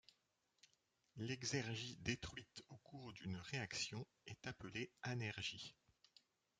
L’exergie détruite au cours d’une réaction est appelée anergie.